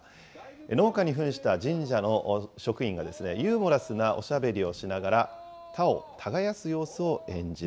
農家にふんした神社の職員が、ユーモラスなおしゃべりをしながら、楽しそう。